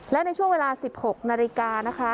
และในช่วงเวลา๑๖นาฬิกานะคะ